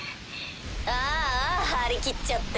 あぁあ張り切っちゃって。